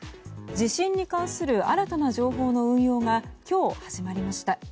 地震に関する新たな情報の運用が今日始まりました。